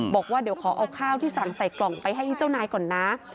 บอกว่าเดี๋ยวขอเอาข้าวที่สั่งใส่กล่องไปให้เจ้านายก่อนนะ